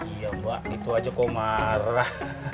iya mbak gitu aja kok marah